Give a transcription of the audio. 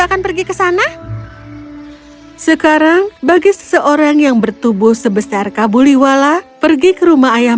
akan pergi ke sana sekarang bagi seseorang yang bertubuh sebesar kabuliwala pergi ke rumah ayah